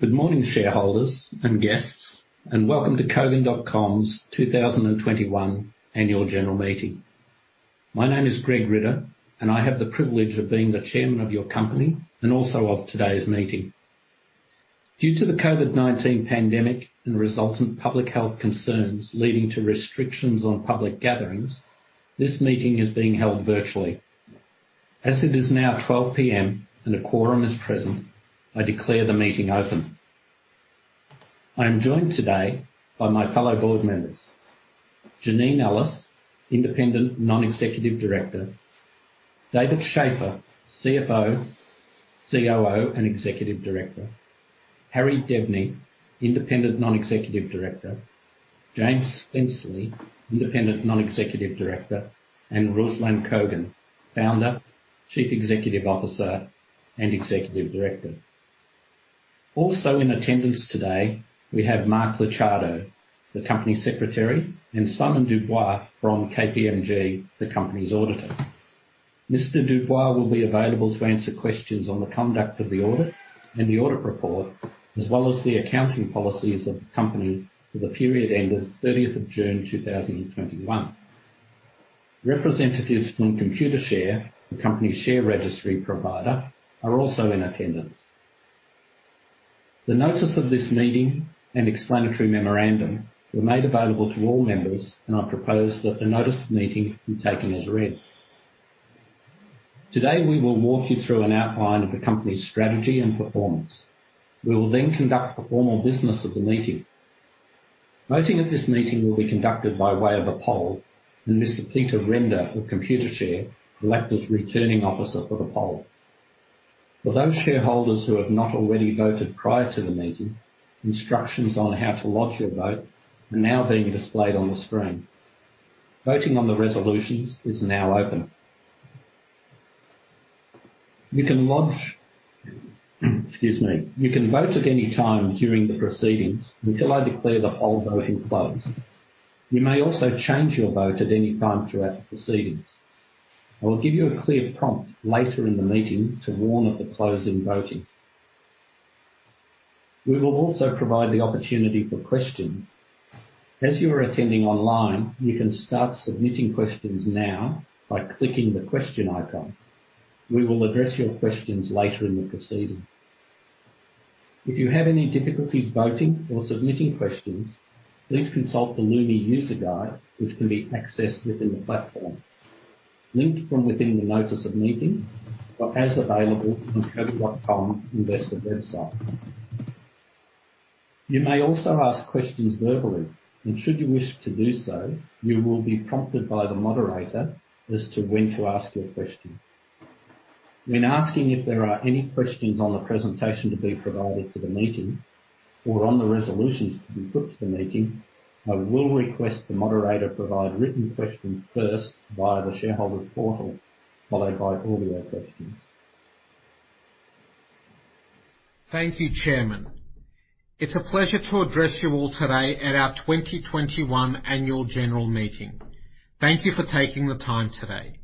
Good morning, shareholders and guests, and welcome to Kogan.com's 2021 Annual General Meeting. My name is Greg Ridder, and I have the privilege of being the chairman of your company and also of today's meeting. Due to the COVID-19 pandemic and resultant public health concerns leading to restrictions on public gatherings, this meeting is being held virtually. As it is now 12:00 P.M. and a quorum is present, I declare the meeting open. I am joined today by my fellow board members, Janine Allis, Independent Non-Executive Director, David Shafer, CFO, COO, and Executive Director, Harry Debney, Independent Non-Executive Director, James Spenceley, Independent Non-Executive Director, and Ruslan Kogan, Founder, Chief Executive Officer, and Executive Director. Also in attendance today we have Mark Licciardo, the Company Secretary, and Simon Dubois from KPMG, the company's auditor. Mr. Dubois will be available to answer questions on the conduct of the audit and the audit report, as well as the accounting policies of the company for the period ended 30 June 2021. Representatives from Computershare, the company share registry provider, are also in attendance. The notice of this meeting and explanatory memorandum were made available to all members, and I propose that the notice of meeting be taken as read. Today, we will walk you through an outline of the company's strategy and performance. We will then conduct the formal business of the meeting. Voting at this meeting will be conducted by way of a poll, and Mr. Peter Renda of Computershare will act as returning officer for the poll. For those shareholders who have not already voted prior to the meeting, instructions on how to lodge your vote are now being displayed on the screen. Voting on the resolutions is now open. You can vote at any time during the proceedings until I declare the poll voting closed. You may also change your vote at any time throughout the proceedings. I will give you a clear prompt later in the meeting to warn of the closing voting. We will also provide the opportunity for questions. As you are attending online, you can start submitting questions now by clicking the question icon. We will address your questions later in the proceeding. If you have any difficulties voting or submitting questions, please consult the Lumi user guide which can be accessed within the platform, linked from within the notice of meeting or as available on Kogan.com's investor website. You may also ask questions verbally, and should you wish to do so, you will be prompted by the moderator as to when to ask your question. When asking if there are any questions on the presentation to be provided for the meeting or on the resolutions to be put to the meeting, I will request the moderator provide written questions first via the shareholder portal, followed by audio questions. Thank you, Chairman. It's a pleasure to address you all today at our 2021 Annual General Meeting. Thank you for taking the time today.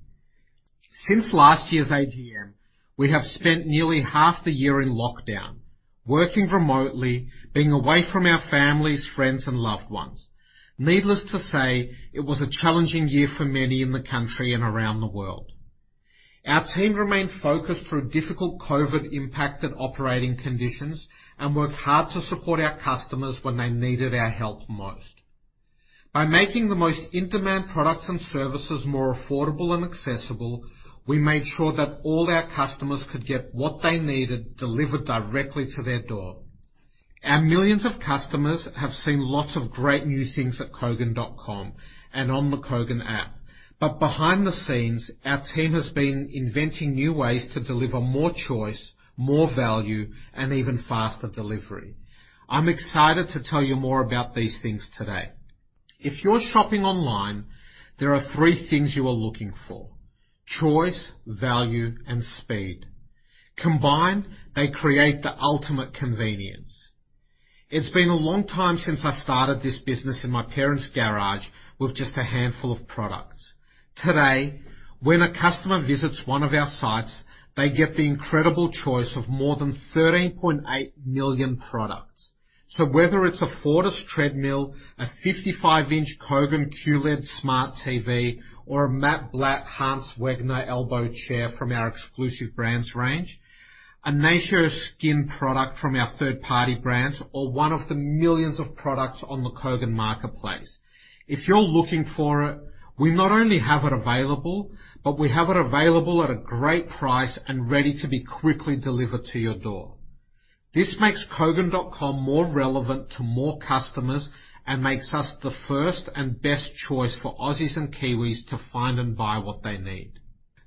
Since last year's AGM, we have spent nearly half the year in lockdown, working remotely, being away from our families, friends and loved ones. Needless to say, it was a challenging year for many in the country and around the world. Our team remained focused through difficult COVID-impacted operating conditions and worked hard to support our customers when they needed our help most. By making the most in-demand products and services more affordable and accessible, we made sure that all our customers could get what they needed delivered directly to their door. Our millions of customers have seen lots of great new things at Kogan.com and on the Kogan app. Behind the scenes, our team has been inventing new ways to deliver more choice, more value and even faster delivery. I'm excited to tell you more about these things today. If you're shopping online, there are three things you are looking for: choice, value and speed. Combined, they create the ultimate convenience. It's been a long time since I started this business in my parents' garage with just a handful of products. Today, when a customer visits one of our sites, they get the incredible choice of more than 13.8 million products. Whether it's a Fortis treadmill, a 55-inch Kogan QLED smart TV, or a Matt Blatt Hans Wegner elbow chair from our exclusive brands range, a Nature's Skin product from our third-party brands, or one of the millions of products on the Kogan Marketplace. If you're looking for it, we not only have it available, but we have it available at a great price and ready to be quickly delivered to your door. This makes Kogan.com more relevant to more customers and makes us the first and best choice for Aussies and Kiwis to find and buy what they need.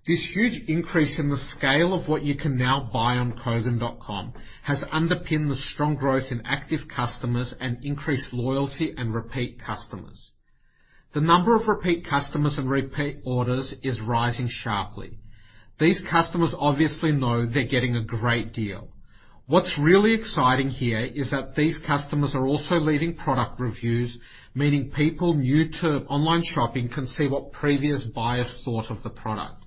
This huge increase in the scale of what you can now buy on Kogan.com has underpinned the strong growth in active customers and increased loyalty and repeat customers. The number of repeat customers and repeat orders is rising sharply. These customers obviously know they're getting a great deal. What's really exciting here is that these customers are also leaving product reviews, meaning people new to online shopping can see what previous buyers thought of the product.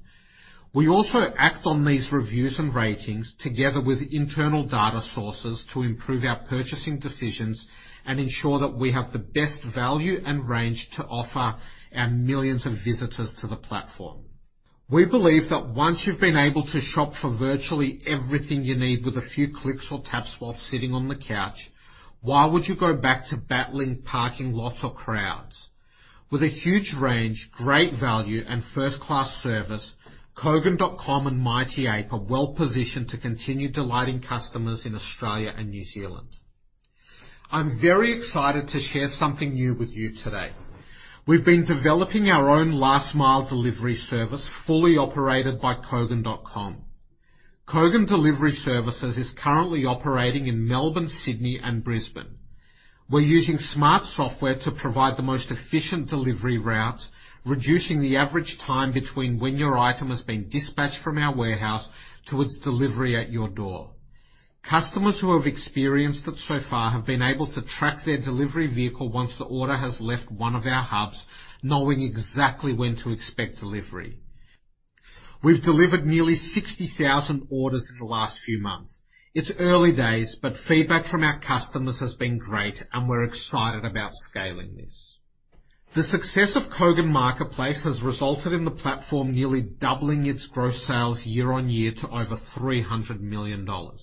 We also act on these reviews and ratings together with internal data sources to improve our purchasing decisions and ensure that we have the best value and range to offer our millions of visitors to the platform. We believe that once you've been able to shop for virtually everything you need with a few clicks or taps while sitting on the couch, why would you go back to battling parking lots or crowds? With a huge range, great value, and first-class service, Kogan.com and Mighty Ape are well-positioned to continue delighting customers in Australia and New Zealand. I'm very excited to share something new with you today. We've been developing our own last-mile delivery service, fully operated by Kogan.com. Kogan Delivery Services is currently operating in Melbourne, Sydney, and Brisbane. We're using smart software to provide the most efficient delivery routes, reducing the average time between when your item has been dispatched from our warehouse to its delivery at your door. Customers who have experienced it so far have been able to track their delivery vehicle once the order has left one of our hubs, knowing exactly when to expect delivery. We've delivered nearly 60,000 orders in the last few months. It's early days, but feedback from our customers has been great, and we're excited about scaling this. The success of Kogan Marketplace has resulted in the platform nearly doubling its gross sales year-over-year to over 300 million dollars.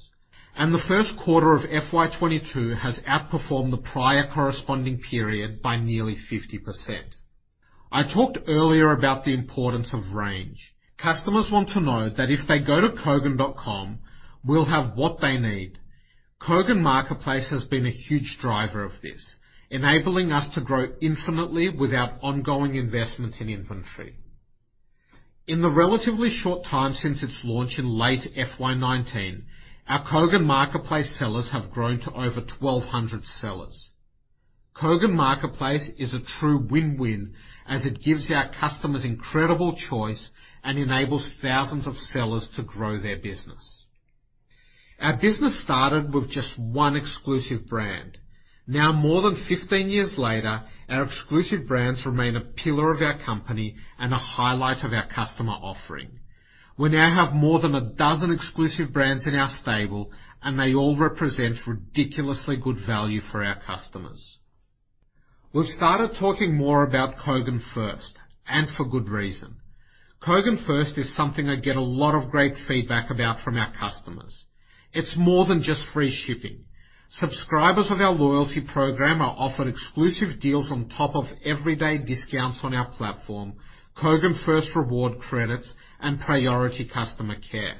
The first quarter of FY 2022 has outperformed the prior corresponding period by nearly 50%. I talked earlier about the importance of range. Customers want to know that if they go to Kogan.com, we'll have what they need. Kogan Marketplace has been a huge driver of this, enabling us to grow infinitely without ongoing investments in inventory. In the relatively short time since its launch in late FY 2019, our Kogan Marketplace sellers have grown to over 1,200 sellers. Kogan Marketplace is a true win-win as it gives our customers incredible choice and enables thousands of sellers to grow their business. Our business started with just one exclusive brand. Now, more than 15 years later, our exclusive brands remain a pillar of our company and a highlight of our customer offering. We now have more than a dozen exclusive brands in our stable, and they all represent ridiculously good value for our customers. We've started talking more about Kogan First, and for good reason. Kogan First is something I get a lot of great feedback about from our customers. It's more than just free shipping. Subscribers of our loyalty program are offered exclusive deals on top of everyday discounts on our platform, Kogan First reward credits, and priority customer care.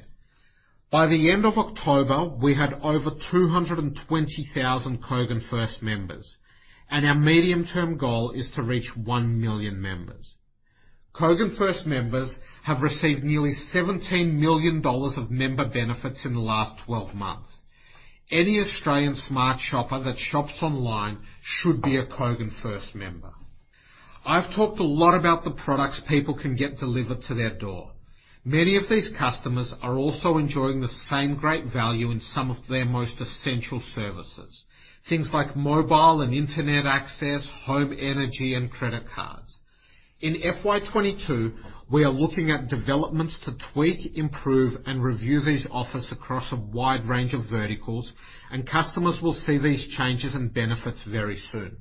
By the end of October, we had over 220,000 Kogan First members, and our medium-term goal is to reach 1 million members. Kogan First members have received nearly 17 million dollars of member benefits in the last 12 months. Any Australian smart shopper that shops online should be a Kogan First member. I've talked a lot about the products people can get delivered to their door. Many of these customers are also enjoying the same great value in some of their most essential services. Things like mobile and internet access, home energy, and credit cards. In FY 2022, we are looking at developments to tweak, improve, and review these offers across a wide range of verticals, and customers will see these changes and benefits very soon.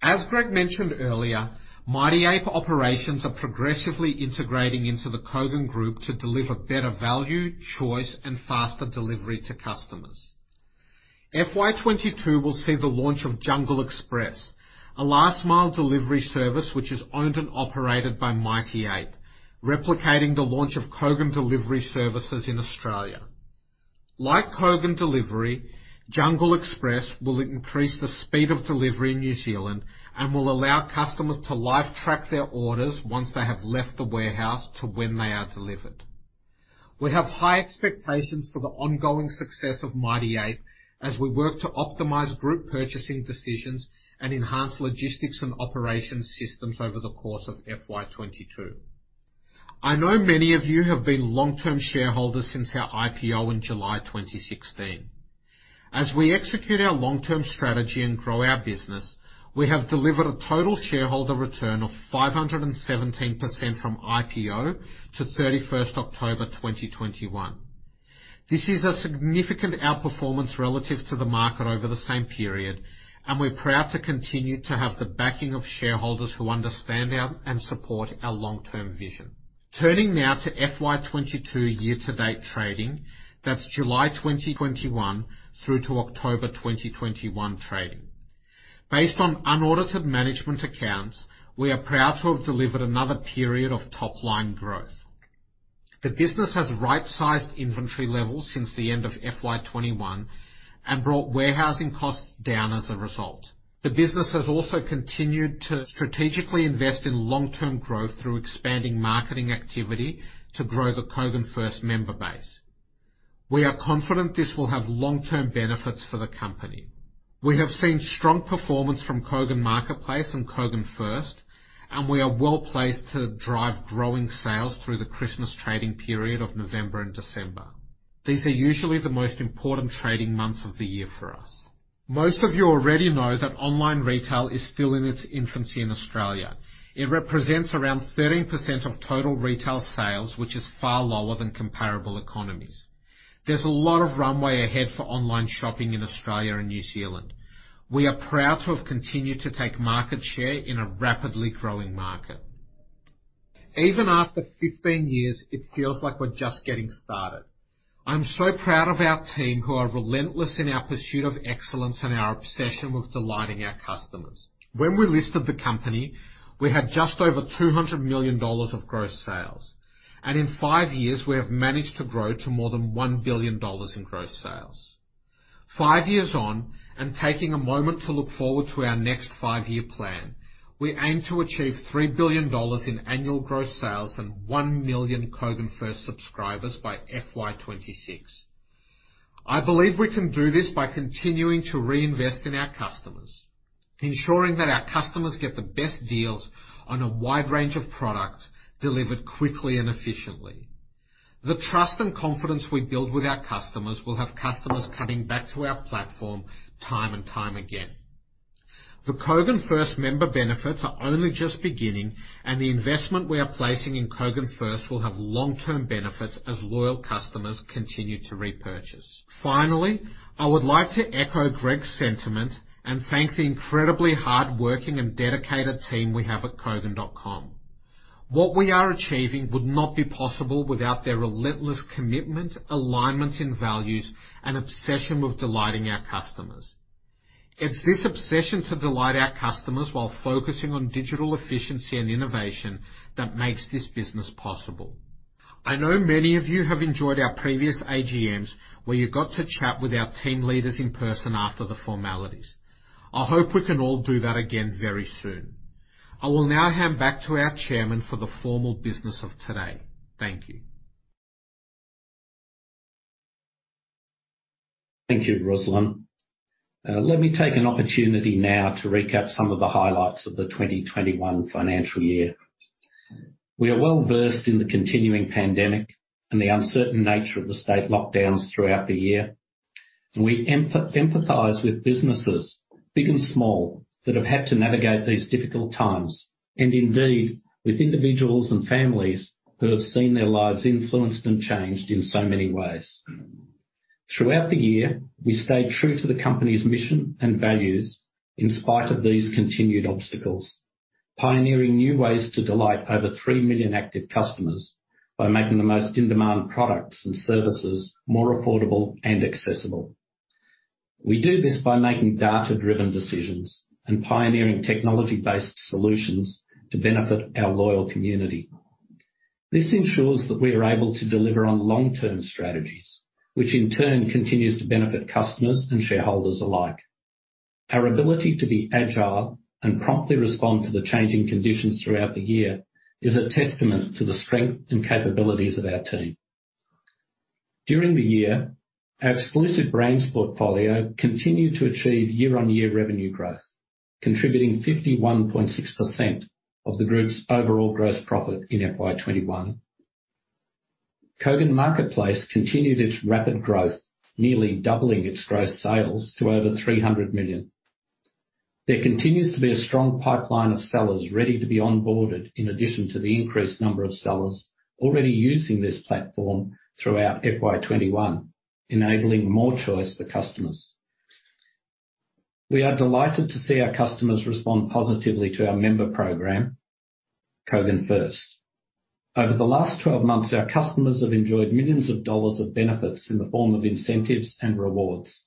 As Greg mentioned earlier, Mighty Ape operations are progressively integrating into the Kogan Group to deliver better value, choice, and faster delivery to customers. FY 2022 will see the launch of Jungle Express, a last-mile delivery service which is owned and operated by Mighty Ape, replicating the launch of Kogan Delivery Services in Australia. Like Kogan Delivery, Jungle Express will increase the speed of delivery in New Zealand and will allow customers to live track their orders once they have left the warehouse to when they are delivered. We have high expectations for the ongoing success of Mighty Ape as we work to optimize group purchasing decisions and enhance logistics and operations systems over the course of FY 2022. I know many of you have been long-term shareholders since our IPO in July 2016. As we execute our long-term strategy and grow our business, we have delivered a total shareholder return of 517% from IPO to 31st October 2021. This is a significant outperformance relative to the market over the same period, and we're proud to continue to have the backing of shareholders who understand and support our long-term vision. Turning now to FY 2022 year-to-date trading. That's July 2021 through to October 2021 trading. Based on unaudited management accounts, we are proud to have delivered another period of top-line growth. The business has right-sized inventory levels since the end of FY 2021 and brought warehousing costs down as a result. The business has also continued to strategically invest in long-term growth through expanding marketing activity to grow the Kogan First member base. We are confident this will have long-term benefits for the company. We have seen strong performance from Kogan Marketplace and Kogan First, and we are well-placed to drive growing sales through the Christmas trading period of November and December. These are usually the most important trading months of the year for us. Most of you already know that online retail is still in its infancy in Australia. It represents around 13% of total retail sales, which is far lower than comparable economies. There's a lot of runway ahead for online shopping in Australia and New Zealand. We are proud to have continued to take market share in a rapidly growing market. Even after 15 years, it feels like we're just getting started. I'm so proud of our team, who are relentless in our pursuit of excellence and our obsession with delighting our customers. When we listed the company, we had just over 200 million dollars of gross sales, and in five years we have managed to grow to more than 1 billion dollars in gross sales. Five years on, taking a moment to look forward to our next five-year plan, we aim to achieve 3 billion dollars in annual gross sales and 1 million Kogan First subscribers by FY 2026. I believe we can do this by continuing to reinvest in our customers, ensuring that our customers get the best deals on a wide range of products delivered quickly and efficiently. The trust and confidence we build with our customers will have customers coming back to our platform time and time again. The Kogan First member benefits are only just beginning, and the investment we are placing in Kogan First will have long-term benefits as loyal customers continue to repurchase. Finally, I would like to echo Greg's sentiment and thank the incredibly hardworking and dedicated team we have at Kogan.com. What we are achieving would not be possible without their relentless commitment, alignment in values, and obsession with delighting our customers. It's this obsession to delight our customers while focusing on digital efficiency and innovation that makes this business possible. I know many of you have enjoyed our previous AGMs, where you got to chat with our team leaders in person after the formalities. I hope we can all do that again very soon. I will now hand back to our chairman for the formal business of today. Thank you. Thank you, Ruslan. Let me take an opportunity now to recap some of the highlights of the 2021 financial year. We are well-versed in the continuing pandemic and the uncertain nature of the state lockdowns throughout the year. We empathize with businesses big and small that have had to navigate these difficult times, and indeed with individuals and families who have seen their lives influenced and changed in so many ways. Throughout the year, we stayed true to the company's mission and values in spite of these continued obstacles, pioneering new ways to delight over 3 million active customers by making the most in-demand products and services more affordable and accessible. We do this by making data-driven decisions and pioneering technology-based solutions to benefit our loyal community. This ensures that we are able to deliver on long-term strategies, which in turn continues to benefit customers and shareholders alike. Our ability to be agile and promptly respond to the changing conditions throughout the year is a testament to the strength and capabilities of our team. During the year, our exclusive brands portfolio continued to achieve year-over-year revenue growth, contributing 51.6% of the group's overall gross profit in FY 2021. Kogan Marketplace continued its rapid growth, nearly doubling its gross sales to over 300 million. There continues to be a strong pipeline of sellers ready to be onboarded, in addition to the increased number of sellers already using this platform throughout FY 2021, enabling more choice for customers. We are delighted to see our customers respond positively to our member program, Kogan First. Over the last 12 months, our customers have enjoyed millions dollars of benefits in the form of incentives and rewards.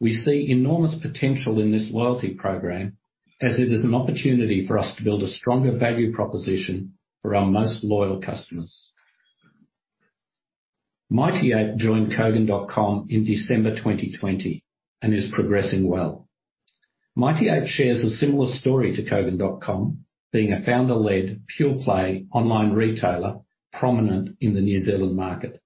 We see enormous potential in this loyalty program as it is an opportunity for us to build a stronger value proposition for our most loyal customers. Mighty Ape joined Kogan.com in December 2020 and is progressing well. Mighty Ape shares a similar story to Kogan.com, being a founder-led, pure-play online retailer prominent in the New Zealand market.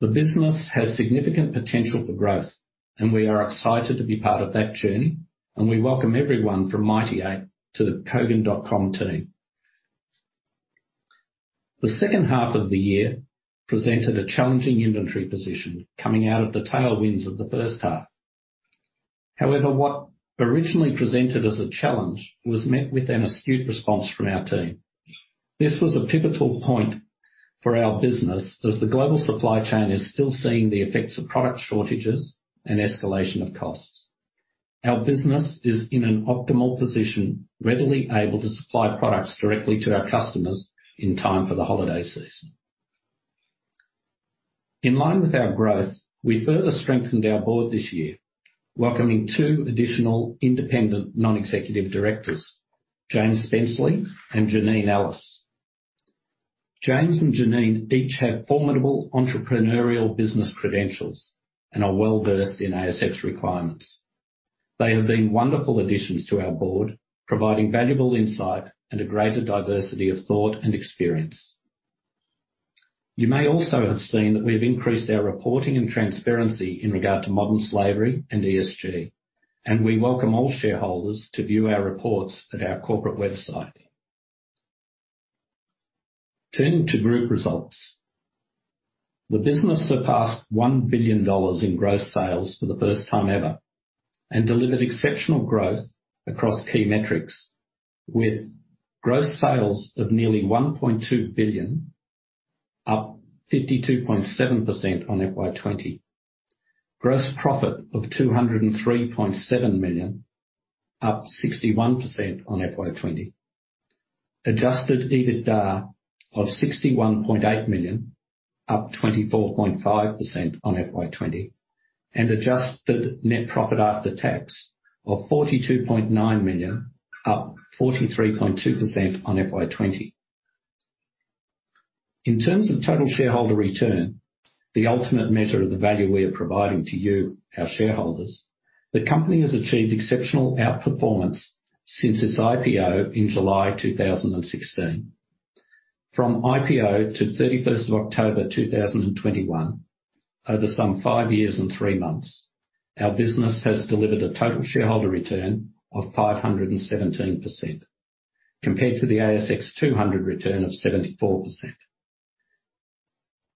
The business has significant potential for growth, and we are excited to be part of that journey, and we welcome everyone from Mighty Ape to the Kogan.com team. The second half of the year presented a challenging inventory position coming out of the tailwinds of the first half. However, what originally presented as a challenge was met with an astute response from our team. This was a pivotal point for our business as the global supply chain is still seeing the effects of product shortages and escalation of costs. Our business is in an optimal position, readily able to supply products directly to our customers in time for the holiday season. In line with our growth, we further strengthened our board this year, welcoming two additional independent non-executive directors, James Spenceley and Janine Allis. James and Janine each have formidable entrepreneurial business credentials and are well-versed in ASX requirements. They have been wonderful additions to our board, providing valuable insight and a greater diversity of thought and experience. You may also have seen that we've increased our reporting and transparency in regard to modern slavery and ESG, and we welcome all shareholders to view our reports at our corporate website. Turning to group results. The business surpassed 1 billion dollars in gross sales for the first time ever, and delivered exceptional growth across key metrics with gross sales of nearly 1.2 billion, up 52.7% on FY 2020. Gross profit of 203.7 million, up 61% on FY 2020. Adjusted EBITDA of 61.8 million, up 24.5% on FY 2020. Adjusted net profit after tax of 42.9 million, up 43.2% on FY 2020. In terms of total shareholder return, the ultimate measure of the value we are providing to you, our shareholders, the company has achieved exceptional outperformance since its IPO in July 2016. From IPO to 31st of October 2021, over some five years and three months, our business has delivered a total shareholder return of 517% compared to the ASX 200 return of 74%.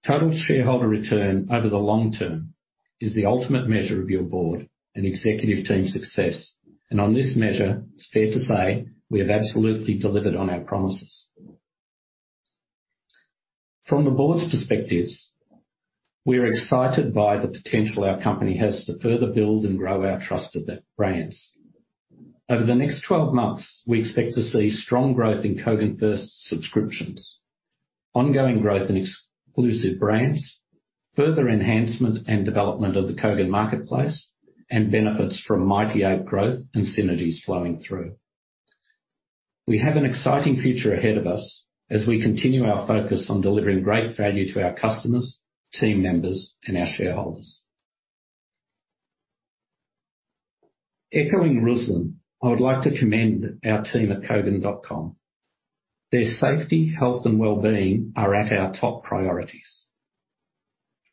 Total shareholder return over the long term is the ultimate measure of your board and executive team success. On this measure, it's fair to say we have absolutely delivered on our promises. From the board's perspectives, we are excited by the potential our company has to further build and grow our trusted brands. Over the next 12 months, we expect to see strong growth in Kogan First subscriptions, ongoing growth in exclusive brands, further enhancement and development of the Kogan Marketplace, and benefits from Mighty Ape growth and synergies flowing through. We have an exciting future ahead of us as we continue our focus on delivering great value to our customers, team members, and our shareholders. Echoing Ruslan, I would like to commend our team at Kogan.com. Their safety, health, and well-being are at our top priorities.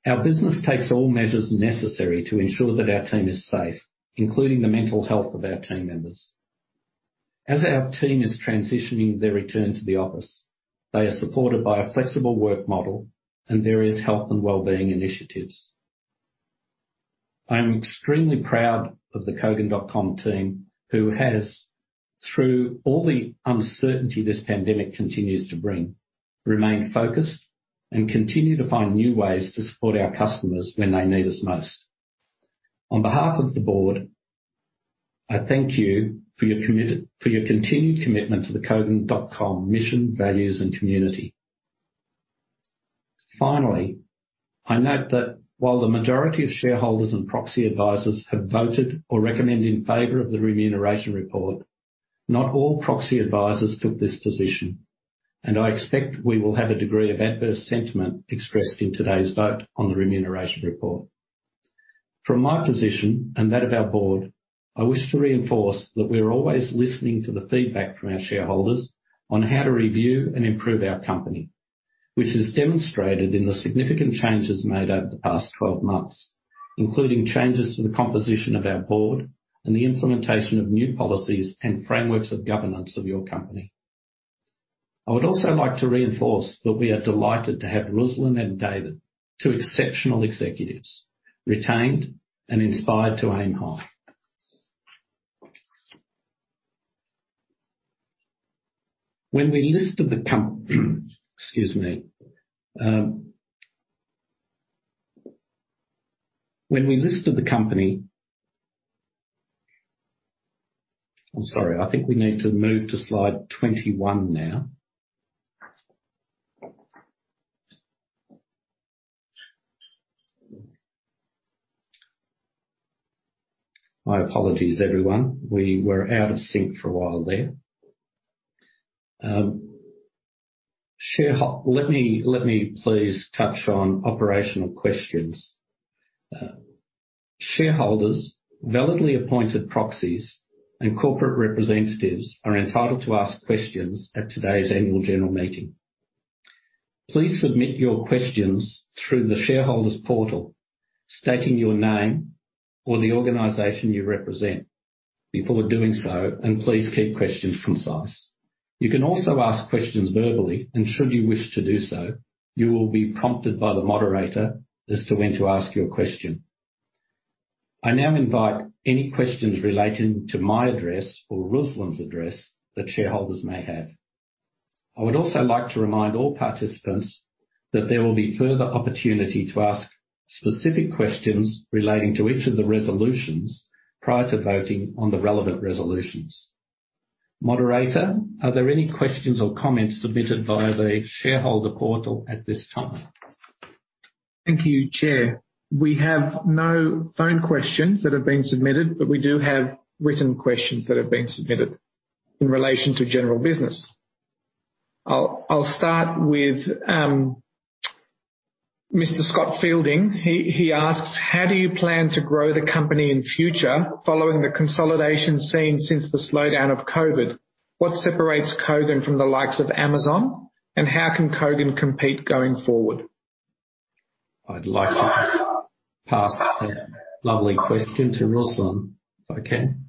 Our business takes all measures necessary to ensure that our team is safe, including the mental health of our team members. As our team is transitioning their return to the office, they are supported by a flexible work model and various health and well-being initiatives. I am extremely proud of the Kogan.com team who has, through all the uncertainty this pandemic continues to bring, remained focused and continue to find new ways to support our customers when they need us most. On behalf of the board, I thank you for your continued commitment to the Kogan.com mission, values, and community. Finally, I note that while the majority of shareholders and proxy advisors have voted or recommend in favor of the remuneration report, not all proxy advisors took this position. I expect we will have a degree of adverse sentiment expressed in today's vote on the remuneration report. From my position and that of our board, I wish to reinforce that we're always listening to the feedback from our shareholders on how to review and improve our company, which is demonstrated in the significant changes made over the past 12 months, including changes to the composition of our board and the implementation of new policies and frameworks of governance of your company. I would also like to reinforce that we are delighted to have Ruslan and David, two exceptional executives, retained and inspired to aim high. When we listed the company. I'm sorry. I think we need to move to slide 21 now. My apologies, everyone. We were out of sync for a while there. Let me please touch on operational questions. Shareholders, validly appointed proxies, and corporate representatives are entitled to ask questions at today's annual general meeting. Please submit your questions through the shareholder's portal, stating your name or the organization you represent before doing so, and please keep questions concise. You can also ask questions verbally, and should you wish to do so, you will be prompted by the moderator as to when to ask your question. I now invite any questions relating to my address or Ruslan's address that shareholders may have. I would also like to remind all participants that there will be further opportunity to ask specific questions relating to each of the resolutions prior to voting on the relevant resolutions. Moderator, are there any questions or comments submitted via the shareholder portal at this time? Thank you, Chair. We have no phone questions that have been submitted, but we do have written questions that have been submitted in relation to general business. I'll start with Mr. Scott Fielding, he asks: How do you plan to grow the company in future following the consolidation seen since the slowdown of COVID? What separates Kogan from the likes of Amazon, and how can Kogan compete going forward? I'd like to pass that lovely question to Ruslan, if I can.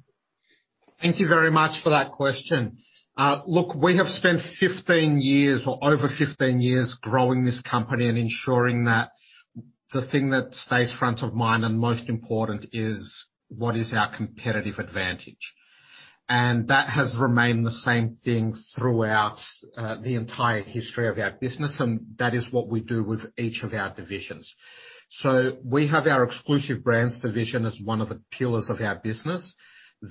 Thank you very much for that question. Look, we have spent 15 years or over 15 years growing this company and ensuring that the thing that stays front of mind and most important is what is our competitive advantage. That has remained the same thing throughout the entire history of our business, and that is what we do with each of our divisions. We have our exclusive brands division as one of the pillars of our business.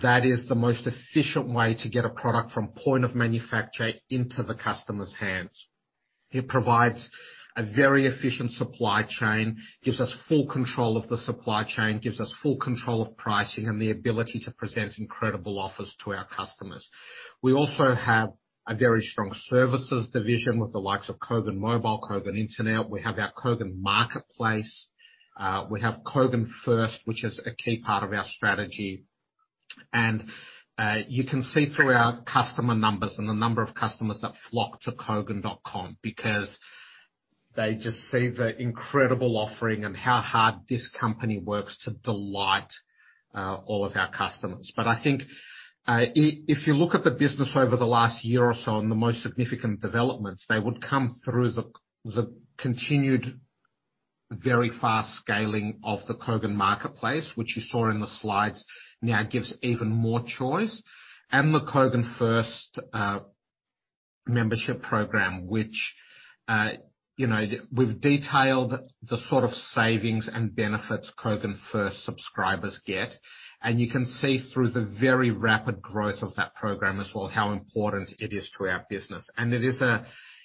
That is the most efficient way to get a product from point of manufacture into the customer's hands. It provides a very efficient supply chain, gives us full control of the supply chain, gives us full control of pricing, and the ability to present incredible offers to our customers. We also have a very strong services division with the likes of Kogan Mobile, Kogan Internet. We have our Kogan Marketplace. We have Kogan First, which is a key part of our strategy. You can see through our customer numbers and the number of customers that flock to Kogan.com, because they just see the incredible offering and how hard this company works to delight all of our customers. I think if you look at the business over the last year or so and the most significant developments, they would come through the continued very fast scaling of the Kogan Marketplace, which you saw in the slides, now gives even more choice. The Kogan First membership program, which you know, we've detailed the sort of savings and benefits Kogan First subscribers get, and you can see through the very rapid growth of that program as well, how important it is to our business.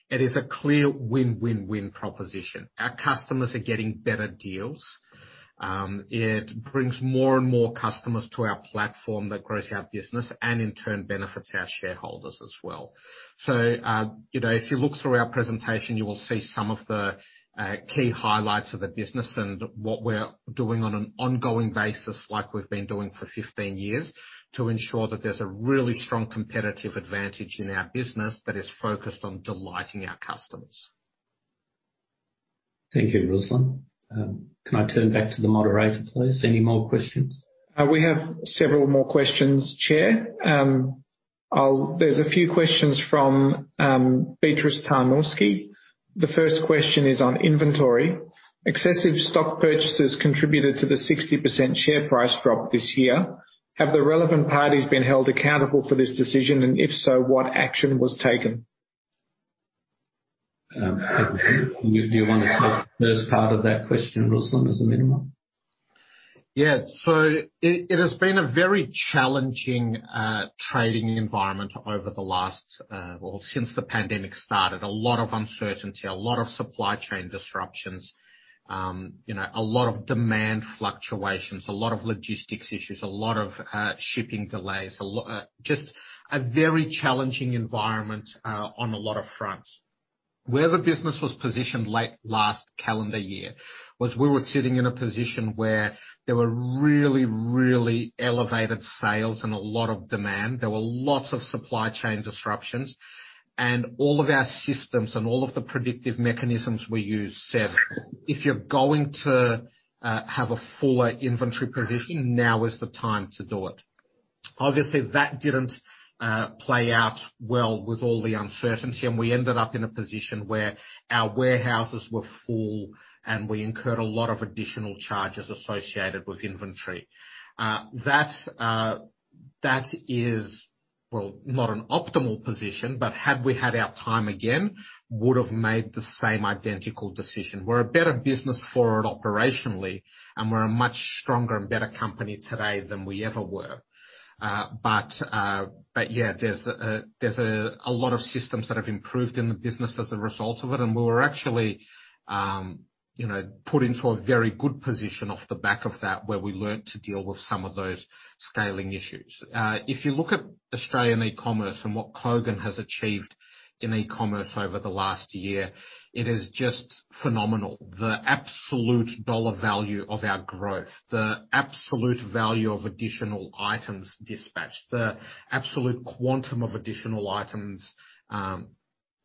It is a clear win-win-win proposition. Our customers are getting better deals. It brings more and more customers to our platform that grows our business and in turn benefits our shareholders as well. You know, if you look through our presentation, you will see some of the key highlights of the business and what we're doing on an ongoing basis, like we've been doing for 15 years, to ensure that there's a really strong competitive advantage in our business that is focused on delighting our customers. Thank you, Ruslan. Can I turn back to the moderator, please? Any more questions? We have several more questions, Chair. There's a few questions from Beatrice Tarnowski. The first question is on inventory. Excessive stock purchases contributed to the 60% share price drop this year. Have the relevant parties been held accountable for this decision? And if so, what action was taken? Do you wanna take the first part of that question, Ruslan, as a minimum? Yeah. It has been a very challenging trading environment over the last or since the pandemic started. A lot of uncertainty, a lot of supply chain disruptions, you know, a lot of demand fluctuations, a lot of logistics issues, a lot of shipping delays, just a very challenging environment on a lot of fronts. Where the business was positioned late last calendar year was we were sitting in a position where there were really elevated sales and a lot of demand. There were lots of supply chain disruptions, and all of our systems and all of the predictive mechanisms we use said, "If you're going to have a fuller inventory position, now is the time to do it." Obviously, that didn't play out well with all the uncertainty, and we ended up in a position where our warehouses were full, and we incurred a lot of additional charges associated with inventory. That is, well, not an optimal position, but had we had our time again, would've made the same identical decision. We're a better business for it operationally, and we're a much stronger and better company today than we ever were. Yeah, there's a lot of systems that have improved in the business as a result of it, and we were actually, you know, put into a very good position off the back of that, where we learned to deal with some of those scaling issues. If you look at Australian e-commerce and what Kogan has achieved in e-commerce over the last year, it is just phenomenal. The absolute dollar value of our growth, the absolute value of additional items dispatched, the absolute quantum of additional items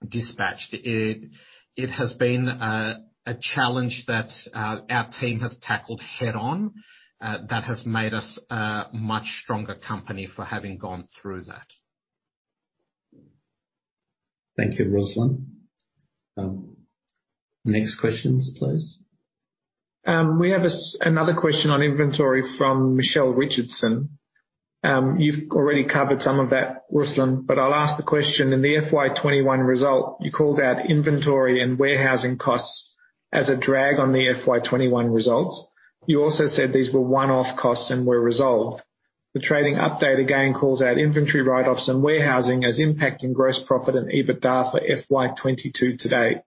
dispatched. It has been a challenge that our team has tackled head on that has made us a much stronger company for having gone through that. Thank you, Ruslan. Next questions, please. We have another question on inventory from Michelle Richardson. You've already covered some of that, Ruslan, but I'll ask the question. In the FY 2021 result, you called out inventory and warehousing costs as a drag on the FY 2021 results. You also said these were one-off costs and were resolved. The trading update again calls out inventory write-offs and warehousing as impacting gross profit and EBITDA for FY 2022 to date.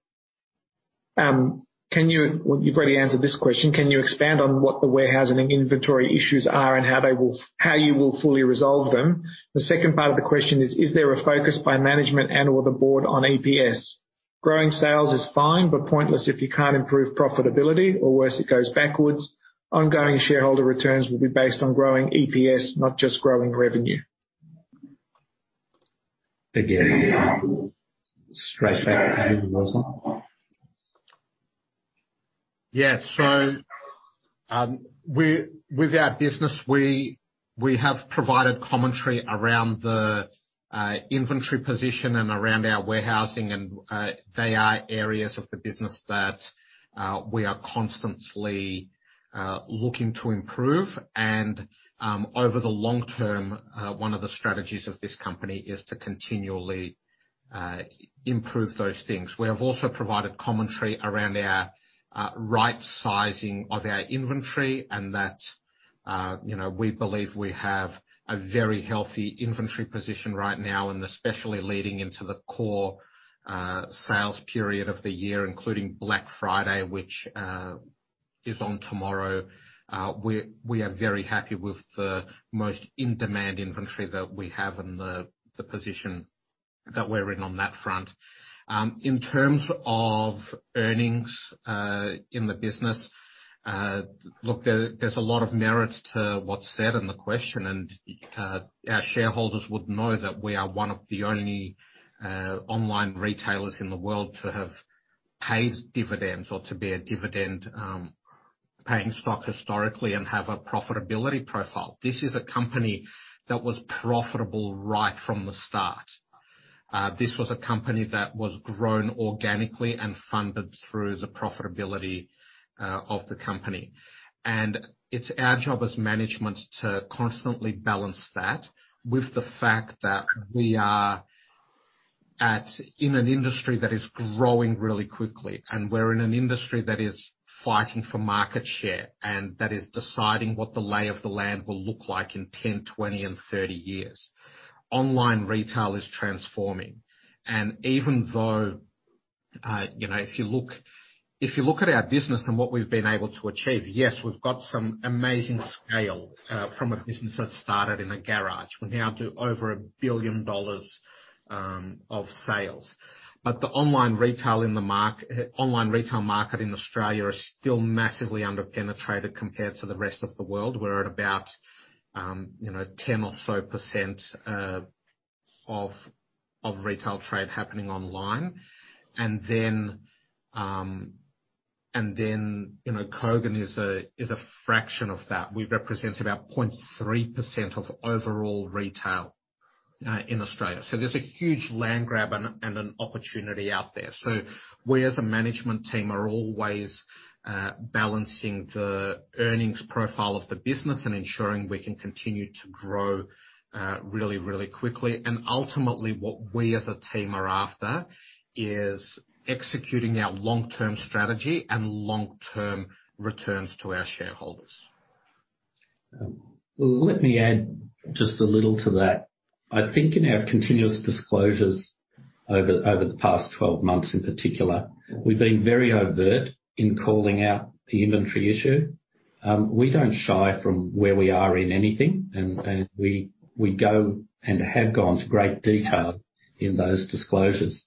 Well, you've already answered this question. Can you expand on what the warehousing and inventory issues are and how you will fully resolve them? The second part of the question is: Is there a focus by management and/or the board on EPS? Growing sales is fine, but pointless if you can't improve profitability, or worse, it goes backwards. Ongoing shareholder returns will be based on growing EPS, not just growing revenue. Again, straight back to you, Ruslan. Yeah. With our business, we have provided commentary around the inventory position and around our warehousing and they are areas of the business that we are constantly looking to improve. Over the long term, one of the strategies of this company is to continually improve those things. We have also provided commentary around our right sizing of our inventory, and that, you know, we believe we have a very healthy inventory position right now, and especially leading into the core sales period of the year, including Black Friday, which is on tomorrow. We are very happy with the most in-demand inventory that we have and the position that we're in on that front. In terms of earnings in the business, look, there's a lot of merit to what's said in the question, and our shareholders would know that we are one of the only online retailers in the world to have paid dividends or to be a dividend paying stock historically and have a profitability profile. This is a company that was profitable right from the start. This was a company that was grown organically and funded through the profitability of the company. It's our job as management to constantly balance that with the fact that we are in an industry that is growing really quickly, and we're in an industry that is fighting for market share, and that is deciding what the lay of the land will look like in 10, 20 and 30 years. Online retail is transforming. Even though, you know, if you look at our business and what we've been able to achieve, yes, we've got some amazing scale from a business that started in a garage. We now do over 1 billion dollars of sales. The online retail market in Australia is still massively under-penetrated compared to the rest of the world. We're at about, you know, 10% or so of retail trade happening online. You know, Kogan is a fraction of that. We represent about 0.3% of overall retail in Australia. There's a huge land grab and an opportunity out there. We as a management team are always, balancing the earnings profile of the business and ensuring we can continue to grow, really, really quickly. Ultimately, what we as a team are after is executing our long-term strategy and long-term returns to our shareholders. Well, let me add just a little to that. I think in our continuous disclosures over the past 12 months in particular, we've been very overt in calling out the inventory issue. We don't shy from where we are in anything, and we go and have gone to great detail in those disclosures.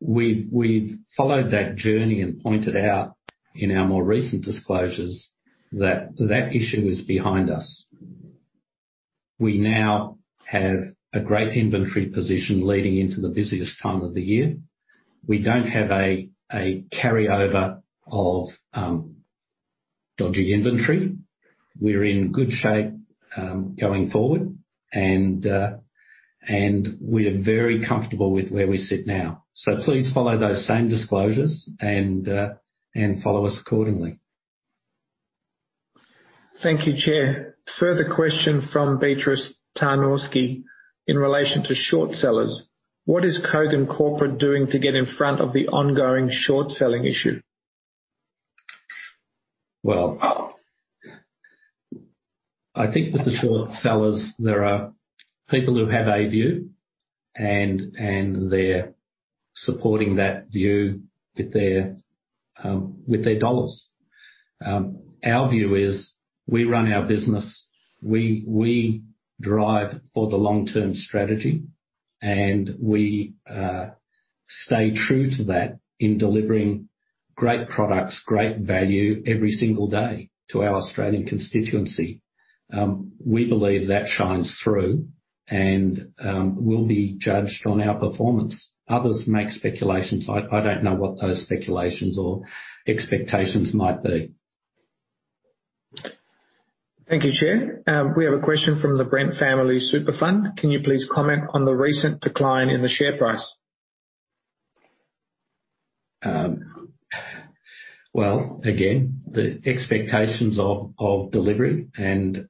We've followed that journey and pointed out in our more recent disclosures that that issue is behind us. We now have a great inventory position leading into the busiest time of the year. We don't have a carryover of dodgy inventory. We're in good shape going forward, and we're very comfortable with where we sit now. Please follow those same disclosures and follow us accordingly. Thank you, Chair. Further question from Beatrice Tarnowski in relation to short sellers. What is Kogan.com doing to get in front of the ongoing short-selling issue? Well, I think with the short sellers, there are people who have a view and they're supporting that view with their dollars. Our view is we run our business, we drive for the long-term strategy, and we stay true to that in delivering great products, great value every single day to our Australian constituency. We believe that shines through and we'll be judged on our performance. Others make speculations. I don't know what those speculations or expectations might be. Thank you, Chair. We have a question from the Brent Family Super Fund. Can you please comment on the recent decline in the share price? Well, again, the expectations of delivery and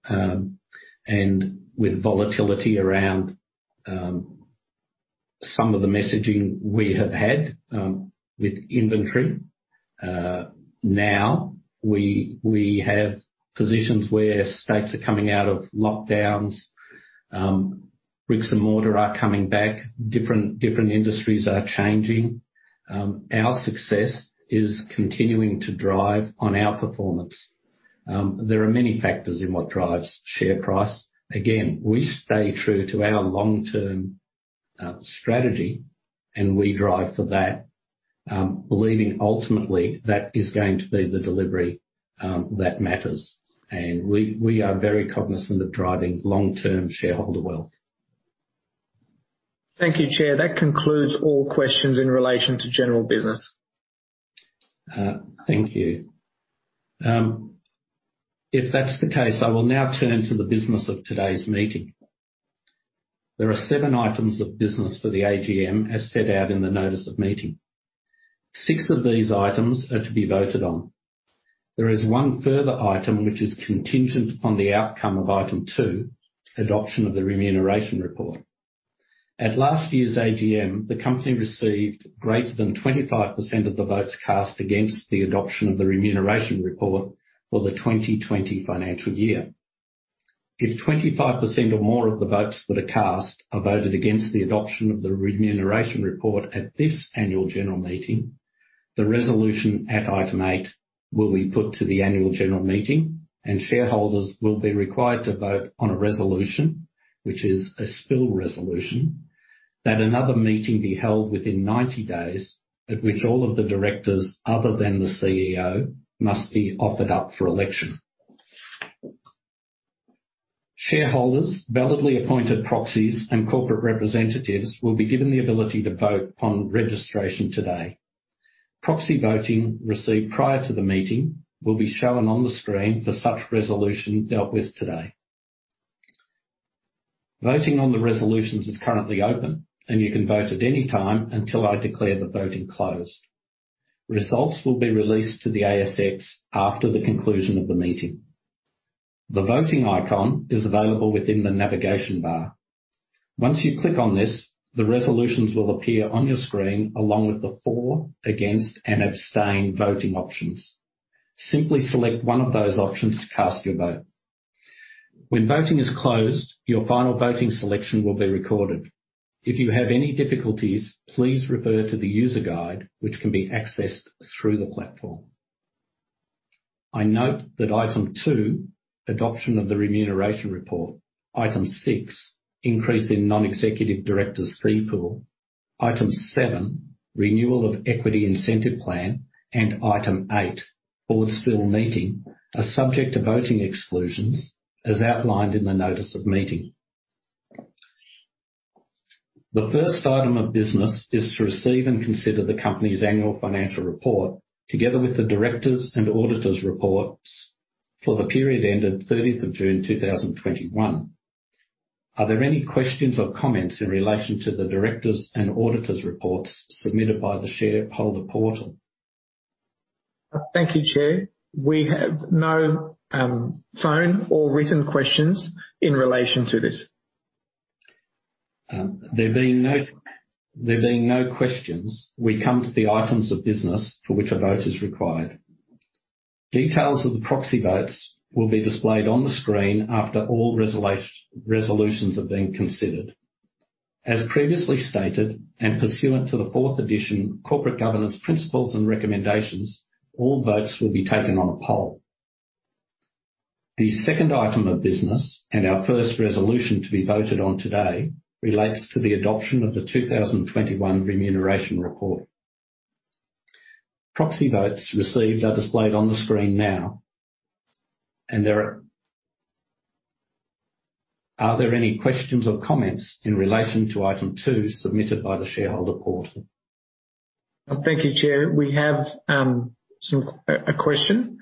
with volatility around some of the messaging we have had with inventory. Now we have positions where states are coming out of lockdowns. Bricks and mortar are coming back. Different industries are changing. Our success is continuing to drive on our performance. There are many factors in what drives share price. Again, we stay true to our long-term strategy and we drive for that, believing ultimately that is going to be the delivery that matters. We are very cognizant of driving long-term shareholder wealth. Thank you, Chair. That concludes all questions in relation to general business. Thank you. If that's the case, I will now turn to the business of today's meeting. There are seven items of business for the AGM as set out in the notice of meeting. Six of these items are to be voted on. There is one further item which is contingent on the outcome of item two, adoption of the remuneration report. At last year's AGM, the company received greater than 25% of the votes cast against the adoption of the remuneration report for the 2020 financial year. If 25% or more of the votes that are cast are voted against the adoption of the remuneration report at this annual general meeting, the resolution at item eight will be put to the annual general meeting and shareholders will be required to vote on a resolution, which is a spill resolution that another meeting be held within 90 days, at which all of the directors other than the CEO must be offered up for election. Shareholders, validly appointed proxies, and corporate representatives will be given the ability to vote upon registration today. Proxy voting received prior to the meeting will be shown on the screen for such resolution dealt with today. Voting on the resolutions is currently open, and you can vote at any time until I declare the voting closed. Results will be released to the ASX after the conclusion of the meeting. The voting icon is available within the navigation bar. Once you click on this, the resolutions will appear on your screen along with the for, against, and abstain voting options. Simply select one of those options to cast your vote. When voting is closed, your final voting selection will be recorded. If you have any difficulties, please refer to the user guide, which can be accessed through the platform. I note that item two, adoption of the remuneration report, item six, increase in non-executive directors' fee pool, item seven, renewal of equity incentive plan, and item eight, board spill meeting, are subject to voting exclusions as outlined in the notice of meeting. The first item of business is to receive and consider the company's annual financial report, together with the directors' and auditors' reports for the period ended 30th June 2021. Are there any questions or comments in relation to the directors' and auditors' reports submitted by the shareholder portal? Thank you, Chair. We have no phone or written questions in relation to this. There being no questions, we come to the items of business for which a vote is required. Details of the proxy votes will be displayed on the screen after all resolutions have been considered. As previously stated, and pursuant to the fourth edition, Corporate Governance Principles and Recommendations, all votes will be taken on a poll. The second item of business and our first resolution to be voted on today relates to the adoption of the 2021 remuneration report. Proxy votes received are displayed on the screen now. Are there any questions or comments in relation to item two submitted by the shareholder portal? Thank you, Chair. We have a question.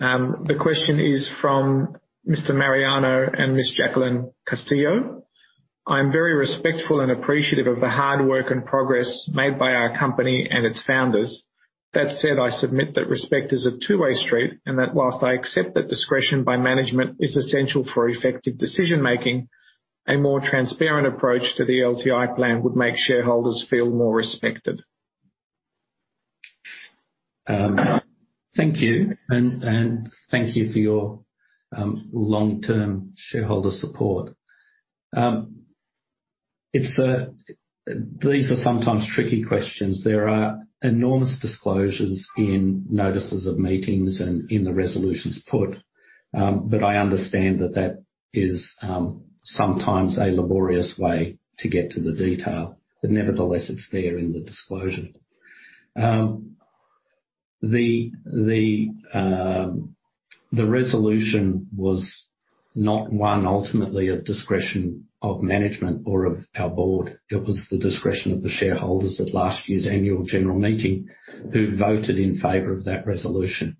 The question is from Mr. Mariano and Miss Jacqueline Castillo. I'm very respectful and appreciative of the hard work and progress made by our company and its founders. That said, I submit that respect is a two-way street, and that while I accept that discretion by management is essential for effective decision-making, a more transparent approach to the LTI plan would make shareholders feel more respected. Thank you, and thank you for your long-term shareholder support. These are sometimes tricky questions. There are enormous disclosures in notices of meetings and in the resolutions put, but I understand that is sometimes a laborious way to get to the detail. Nevertheless, it's there in the disclosure. The resolution was not one ultimately of discretion of management or of our board. It was the discretion of the shareholders at last year's annual general meeting who voted in favor of that resolution.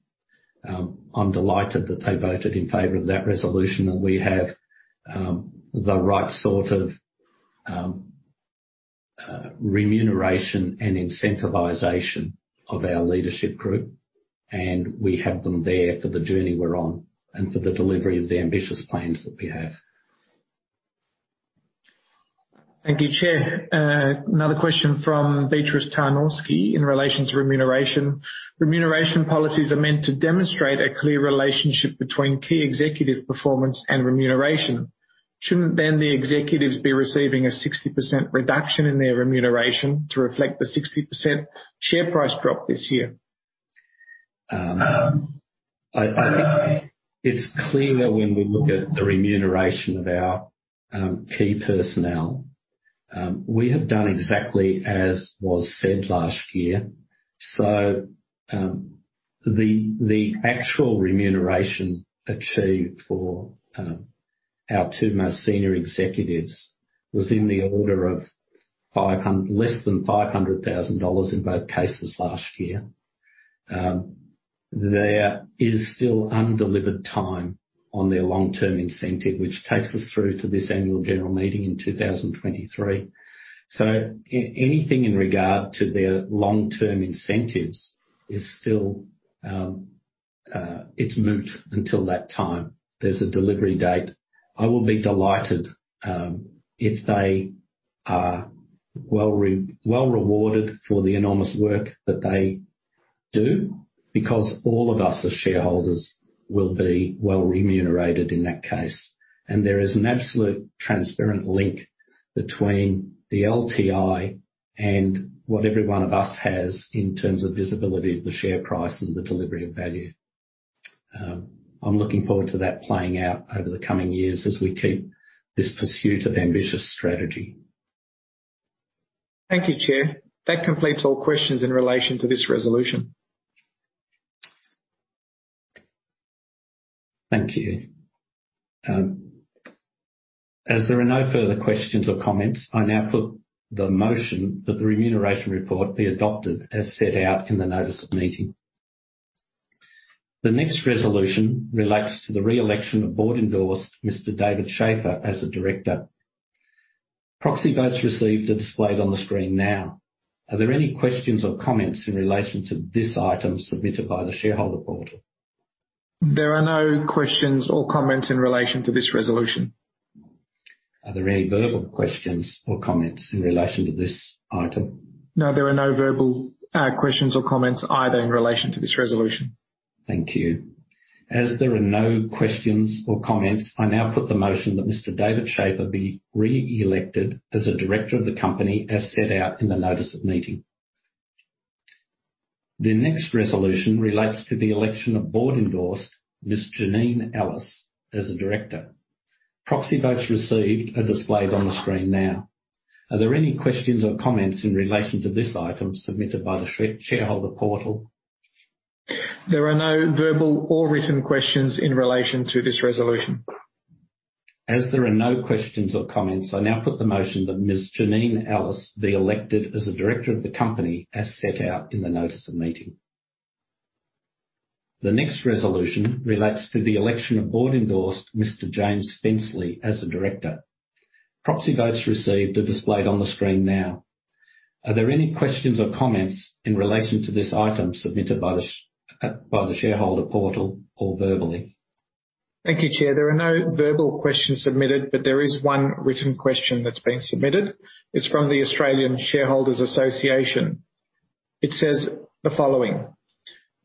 I'm delighted that they voted in favor of that resolution, and we have the right sort of remuneration and incentivization of our leadership group, and we have them there for the journey we're on and for the delivery of the ambitious plans that we have. Thank you, Chair. Another question from Beatrice Tarnowski in relation to remuneration. Remuneration policies are meant to demonstrate a clear relationship between key executive performance and remuneration. Shouldn't then the executives be receiving a 60% reduction in their remuneration to reflect the 60% share price drop this year? I think it's clear that when we look at the remuneration of our key personnel, we have done exactly as was said last year. The actual remuneration achieved for our two most senior executives was in the order of less than 500,000 dollars in both cases last year. There is still undelivered time on their long-term incentive, which takes us through to this annual general meeting in 2023. Anything in regard to their long-term incentives is still moot until that time. There's a delivery date. I will be delighted if they are well rewarded for the enormous work that they do because all of us as shareholders will be well remunerated in that case. There is an absolute transparent link between the LTI and what every one of us has in terms of visibility of the share price and the delivery of value. I'm looking forward to that playing out over the coming years as we keep this pursuit of ambitious strategy. Thank you, Chair. That completes all questions in relation to this resolution. Thank you. As there are no further questions or comments, I now put the motion that the remuneration report be adopted as set out in the notice of meeting. The next resolution relates to the re-election of board-endorsed Mr. David Shafer as a director. Proxy votes received are displayed on the screen now. Are there any questions or comments in relation to this item submitted by the shareholder portal? There are no questions or comments in relation to this resolution. Are there any verbal questions or comments in relation to this item? No, there are no verbal questions or comments either in relation to this resolution. Thank you. As there are no questions or comments, I now put the motion that Mr. David Shafer be re-elected as a director of the company as set out in the notice of meeting. The next resolution relates to the election of board-endorsed Ms. Janine Allis as a director. Proxy votes received are displayed on the screen now. Are there any questions or comments in relation to this item submitted by the shareholder portal? There are no verbal or written questions in relation to this resolution. As there are no questions or comments, I now put the motion that Ms. Janine Allis be elected as a director of the company as set out in the notice of meeting. The next resolution relates to the election of board-endorsed Mr. James Spenceley as a director. Proxy votes received are displayed on the screen now. Are there any questions or comments in relation to this item submitted by the shareholder portal or verbally? Thank you, Chair. There are no verbal questions submitted, but there is one written question that's been submitted. It's from the Australian Shareholders' Association. It says the following.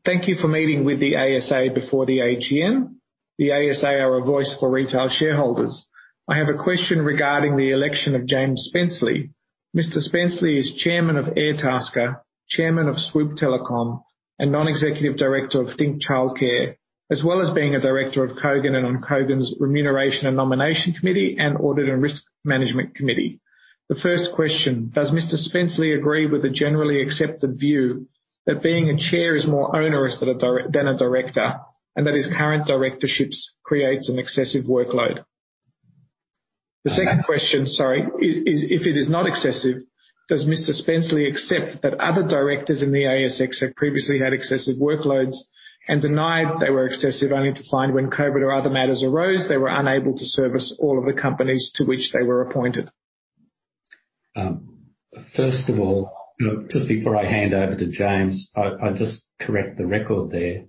"Thank you for meeting with the ASA before the AGM. The ASA are a voice for retail shareholders. I have a question regarding the election of James Spenceley. Mr. Spenceley is Chairman of Airtasker, Chairman of Swoop Telecom, and Non-Executive Director of Think Childcare, as well as being a Director of Kogan and on Kogan's Remuneration and Nomination Committee and Audit and Risk Management Committee. The first question, does Mr. Spenceley agree with the generally accepted view that being a chair is more onerous than a director, and that his current directorships creates an excessive workload? Uh- If it is not excessive, does Mr. Spenceley accept that other directors in the ASX have previously had excessive workloads and denied they were excessive only to find when COVID or other matters arose, they were unable to service all of the companies to which they were appointed? First of all, just before I hand over to James, I just correct the record there.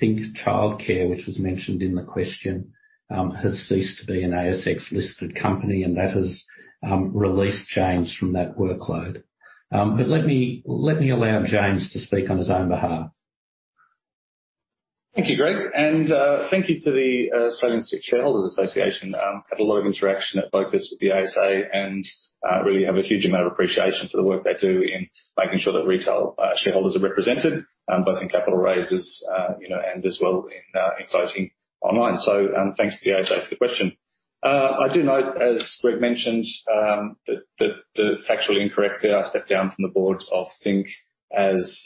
Think Childcare, which was mentioned in the question, has ceased to be an ASX-listed company, and that has released James from that workload. Let me allow James to speak on his own behalf. Thank you, Greg, and thank you to the Australian Shareholders' Association. Had a lot of interaction at forums with the ASA and really have a huge amount of appreciation for the work they do in making sure that retail shareholders are represented, both in capital raises, you know, and as well in voting online. Thanks to the ASA for the question. I do note, as Greg mentioned, the factually incorrect there. I stepped down from the board of Think as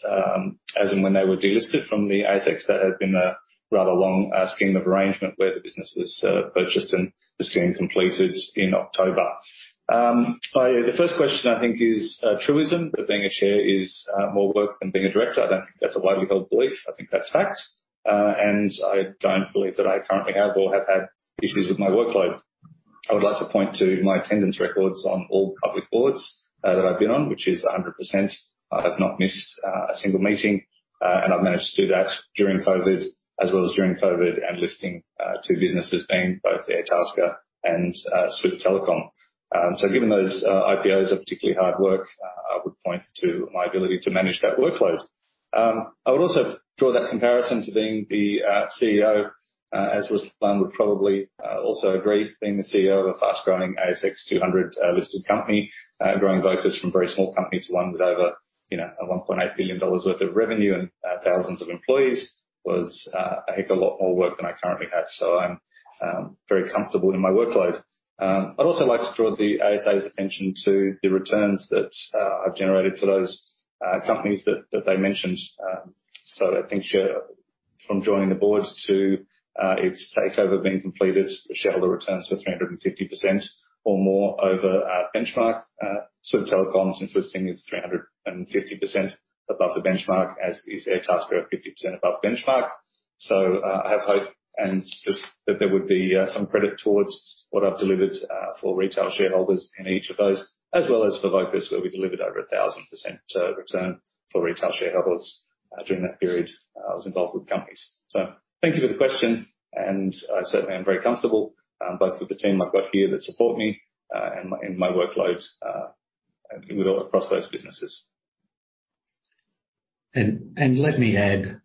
and when they were delisted from the ASX. That had been a rather long scheme of arrangement where the business was purchased and the scheme completed in October. The first question I think is a truism, that being a chair is more work than being a director. I don't think that's a widely held belief. I think that's fact. I don't believe that I currently have or have had issues with my workload. I would like to point to my attendance records on all public boards that I've been on, which is 100%. I have not missed a single meeting, and I've managed to do that during COVID, as well as during COVID and listing two businesses being both Airtasker and Swoop Telecom. Given those IPOs are particularly hard work, I would point to my ability to manage that workload. I would also draw that comparison to being the CEO, as Ruslan would probably also agree, being the CEO of a fast-growing ASX 200 listed company. Growing Vocus from very small company to one with over, you know, 1.8 billion dollars worth of revenue and thousands of employees was a heck of a lot more work than I currently have. I'm very comfortable in my workload. I'd also like to draw the ASA's attention to the returns that I've generated for those companies that they mentioned. I think Swoop from joining the board to its takeover being completed, shareholder returns were 350% or more over our benchmark. Swoop Telecom since listing is 350% above the benchmark, as is Airtasker at 50% above benchmark. I have hope and just that there would be some credit towards what I've delivered for retail shareholders in each of those, as well as for Vocus, where we delivered over 1,000% return for retail shareholders during that period I was involved with companies. Thank you for the question, and I certainly am very comfortable both with the team I've got here that support me and my workloads with all across those businesses. Let me add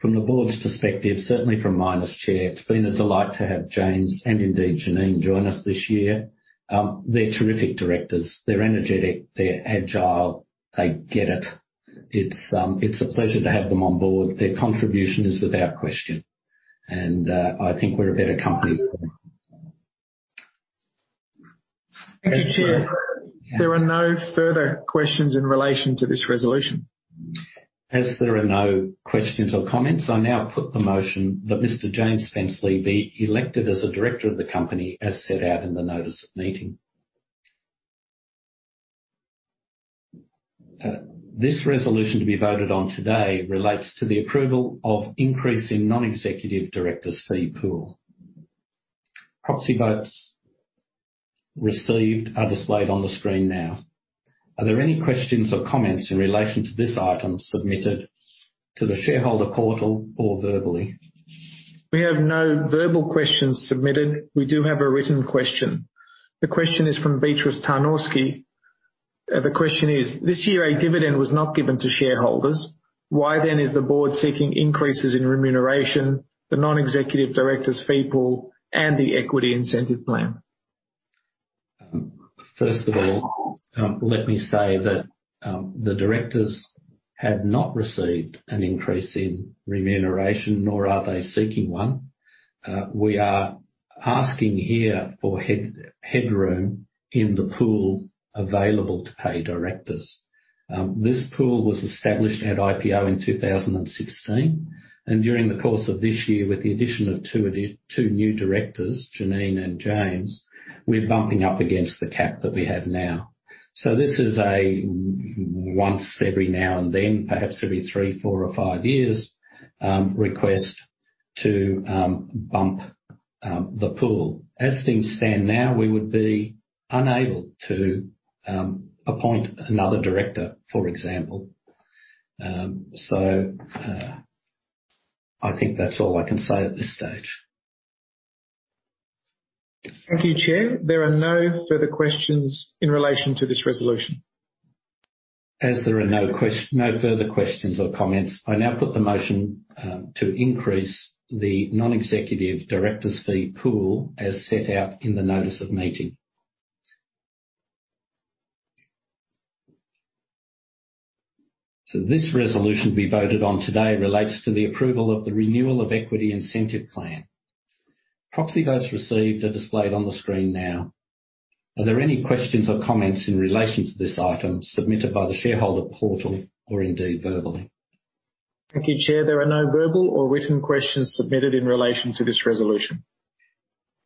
from the board's perspective, certainly from mine as Chair, it's been a delight to have James and indeed Janine join us this year. They're terrific directors. They're energetic, they're agile. They get it. It's a pleasure to have them on board. Their contribution is without question. I think we're a better company. Thank you, Chair. There are no further questions in relation to this resolution. As there are no questions or comments, I now put the motion that Mr. James Spenceley be elected as a director of the company as set out in the notice of meeting. This resolution to be voted on today relates to the approval of increase in non-executive directors' fee pool. Proxy votes received are displayed on the screen now. Are there any questions or comments in relation to this item submitted to the shareholder portal or verbally? We have no verbal questions submitted. We do have a written question. The question is from Beatrice Tarnowski. The question is, this year a dividend was not given to shareholders. Why then is the board seeking increases in remuneration, the non-executive directors' fee pool and the equity incentive plan? First of all, let me say that the directors have not received an increase in remuneration, nor are they seeking one. We are asking here for headroom in the pool available to pay directors. This pool was established at IPO in 2016, and during the course of this year, with the addition of two new directors, Janine and James, we're bumping up against the cap that we have now. This is a once every now and then, perhaps every three, four or five years, request to bump the pool. As things stand now, we would be unable to appoint another director, for example. I think that's all I can say at this stage. Thank you, Chair. There are no further questions in relation to this resolution. As there are no further questions or comments, I now put the motion to increase the non-executive directors' fee pool as set out in the notice of meeting. This resolution to be voted on today relates to the approval of the renewal of equity incentive plan. Proxy votes received are displayed on the screen now. Are there any questions or comments in relation to this item submitted by the shareholder portal or indeed verbally? Thank you, Chair. There are no verbal or written questions submitted in relation to this resolution.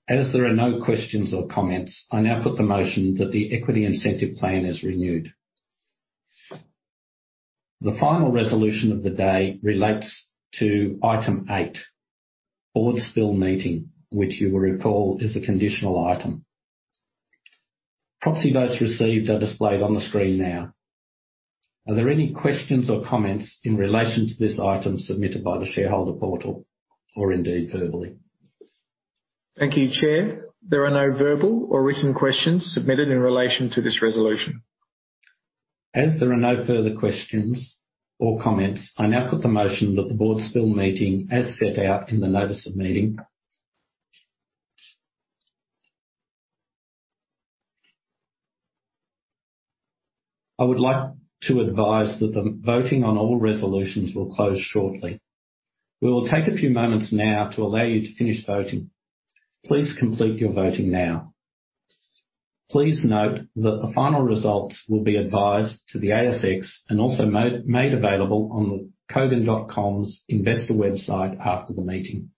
As there are no questions or comments, I now put the motion that the equity incentive plan is renewed. The final resolution of the day relates to item eight, board spill meeting, which you will recall is a conditional item. Proxy votes received are displayed on the screen now. Are there any questions or comments in relation to this item submitted by the shareholder portal or indeed verbally? Thank you, Chair. There are no verbal or written questions submitted in relation to this resolution. As there are no further questions or comments, I now put the motion that the board spill meeting as set out in the notice of meeting. I would like to advise that the voting on all resolutions will close shortly. We will take a few moments now to allow you to finish voting. Please complete your voting now. Please note that the final results will be advised to the ASX and also made available on the Kogan.com's investor website after the meeting.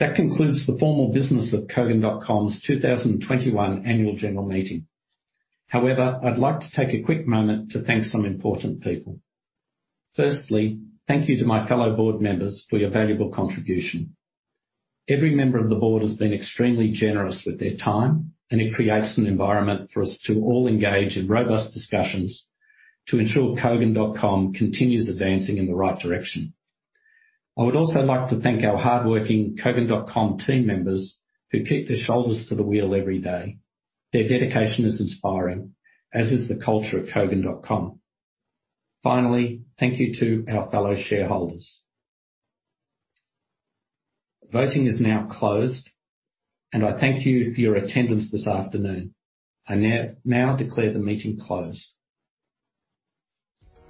That concludes the formal business of Kogan.com's 2021 Annual General Meeting. However, I'd like to take a quick moment to thank some important people. Firstly, thank you to my fellow board members for your valuable contribution. Every member of the board has been extremely generous with their time, and it creates an environment for us to all engage in robust discussions to ensure Kogan.com continues advancing in the right direction. I would also like to thank our hardworking Kogan.com team members who keep their shoulders to the wheel every day. Their dedication is inspiring, as is the culture of Kogan.com. Finally, thank you to our fellow shareholders. Voting is now closed, and I thank you for your attendance this afternoon. I now declare the meeting closed.